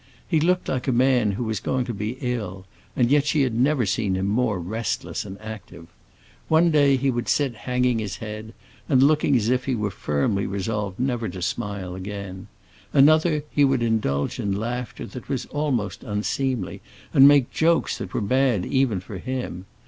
He looked like a man who was going to be ill, and yet she had never seen him more restless and active. One day he would sit hanging his head and looking as if he were firmly resolved never to smile again; another he would indulge in laughter that was almost unseemly and make jokes that were bad even for him.